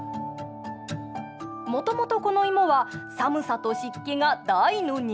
もともとこの芋は寒さと湿気が大の苦手。